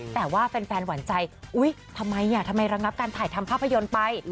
แต่ว่าแฟนหวานใจอุ๊ยทำไมทำไมระงับการถ่ายทำภาพยนตร์ไป